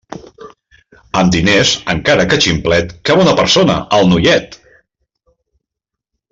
Amb diners, encara que ximplet, que bona persona el noiet!